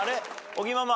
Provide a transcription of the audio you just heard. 尾木ママ。